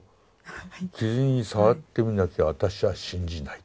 傷に触ってみなきゃ私は信じない。